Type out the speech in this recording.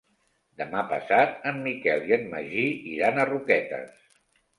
Demà passat en Miquel i en Magí iran a Roquetes.